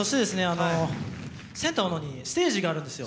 あのセンターの方にステージがあるんですよ。